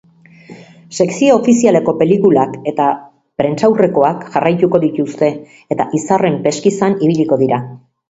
Sekzio ofizialeko pelikulak eta prentsaurrekoak jarraituko dituzte eta izarren peskizan ibiliko dira.